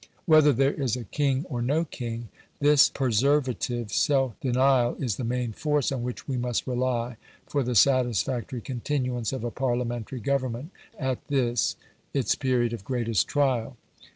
Whether there is a king or no king, this perservative self denial is the main force on which we must rely for the satisfactory continuance of a Parliamentary Government at this its period of greatest trial.